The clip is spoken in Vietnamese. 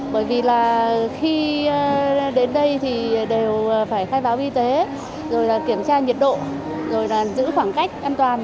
bởi vì là khi đến đây thì đều phải khai báo y tế rồi là kiểm tra nhiệt độ rồi là giữ khoảng cách an toàn